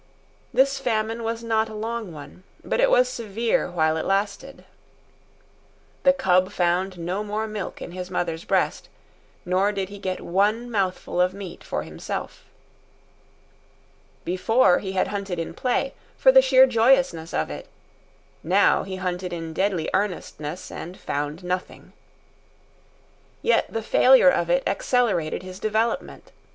This famine was not a long one, but it was severe while it lasted. The cub found no more milk in his mother's breast, nor did he get one mouthful of meat for himself. Before, he had hunted in play, for the sheer joyousness of it; now he hunted in deadly earnestness, and found nothing. Yet the failure of it accelerated his development.